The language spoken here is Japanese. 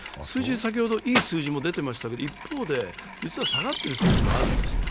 先ほどいい数字も出てましたけど、一方で実は下がってる数字もあるんですね。